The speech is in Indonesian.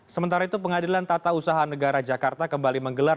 sementara itu pengadilan tata usaha negara jakarta kembali menggelar